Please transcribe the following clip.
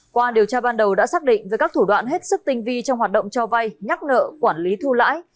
qua điều tra ban đầu đã xác định với các thủ đoạn hết sức tinh vi trong hoạt động cho vay nhắc nợ quản lý thu lãi